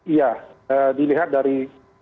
iya dilihat dari